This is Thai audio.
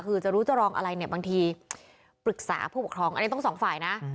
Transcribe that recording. คือจะรู้จะรองอะไรเนี่ยบางทีปรึกษาผู้ปกครองอันนี้ต้องสองฝ่ายนะ